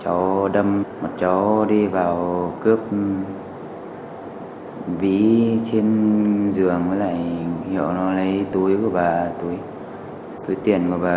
chó đâm một chó đi vào cướp ví trên giường với lại hiệu nó lấy túi của bà túi tiền của bà